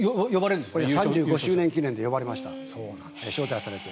３５周年記念で呼ばれました招待されて。